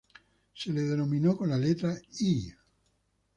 Se le denominó con la letra "I".